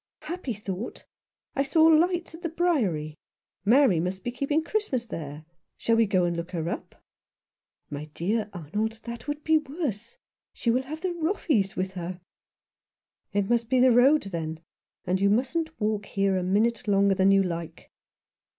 " Happy thought ! I saw lights at the Briery ; Mary must be keeping Christmas there. Shall we go and look her up ?" "My dear Arnold, that would be worse. She will have the Roffeys with her !"" It must be the road, then ; and you mustn't walk here a minute longer than you like."